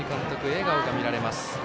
笑顔が見られます。